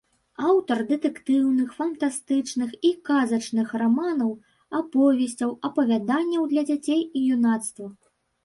Аўтар дэтэктыўных, фантастычных і казачных раманаў, аповесцяў, апавяданняў для дзяцей і юнацтва.